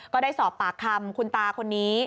ก็ได้สอบปากคำคุณตาคนนี้